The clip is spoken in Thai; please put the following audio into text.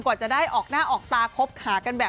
กว่าจะได้ออกหน้าออกตาคบหากันแบบ